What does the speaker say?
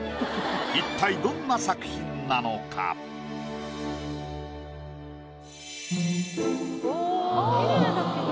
一体どんな作品なのか⁉おおーきれいだけど。